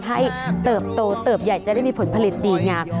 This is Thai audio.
เติบโตเติบใหญ่จะได้มีผลผลิตดีงาม